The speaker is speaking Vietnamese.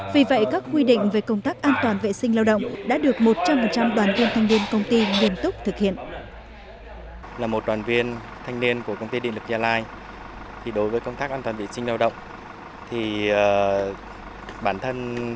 vì vậy các quy định về công tác an toàn vệ sinh lao động đã được một trăm linh đoàn viên thanh niên công ty nghiêm túc thực hiện